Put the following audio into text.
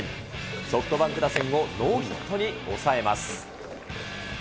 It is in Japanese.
ソフトバンク打線をノーヒットに抑えます。